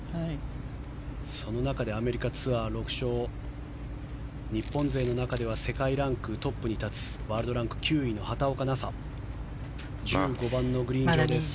その中で、アメリカツアー６勝日本勢の中では世界ランクトップに立つワールドランク９位の畑岡奈紗。１５番のグリーン上です。